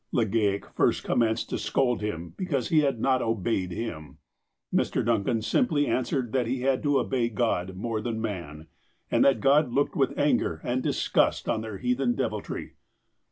Legale first commenced to scold him because he had not "obeyed" him. Mr. Duncan simply answered that he had to obey God more than man, and that God looked with anger and disgust on their heathen deviltry.